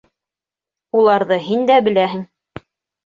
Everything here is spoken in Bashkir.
Уларҙы һин дә беләһең...